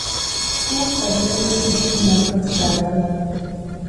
ފ. ދަރަނބޫދޫ ސިއްޙީމަރުކަޒު، ޑްރައިވަރު